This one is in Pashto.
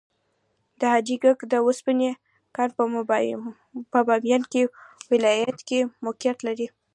د حاجي ګک د وسپنې کان په بامیان ولایت کې موقعیت لري.